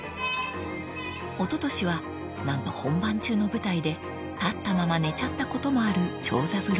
［おととしは何と本番中の舞台で立ったまま寝ちゃったこともある長三郎］